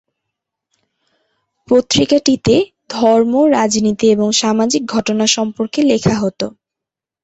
পত্রিকাটি ধর্ম, রাজনীতি, এবং সামাজিক ঘটনা সম্পর্কে লেখা হত।